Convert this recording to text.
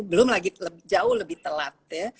belum lagi jauh lebih telat ya